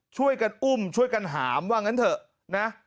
ช่วยกันอุ้มช่วยกันหามว่างั้นเถอะนะ